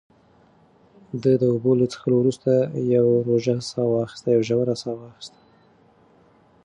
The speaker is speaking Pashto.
ده د اوبو له څښلو وروسته یوه ژوره ساه واخیسته.